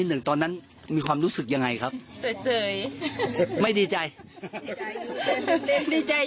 เห้อเดี๋ยวผมฟังไม่ผิดใช่ไหม